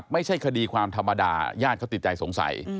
ไม่ใช่คดีความธรรมดาญาติเขาติดใจสงสัย